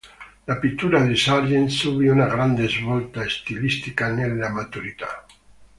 La pittura di Sargent subì una grande svolta stilistica nella maturità.